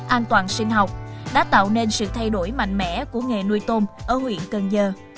an toàn sinh học đã tạo nên sự thay đổi mạnh mẽ của nghề nuôi tôm ở huyện cần giờ